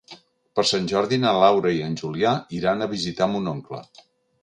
Per Sant Jordi na Laura i en Julià iran a visitar mon oncle.